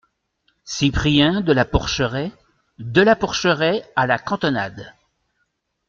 Cyprien, De La Porcheraie De La Porcheraie , à la cantonade.